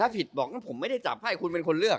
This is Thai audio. ผมไม่ได้จับไพ่คุณเป็นคนเลือก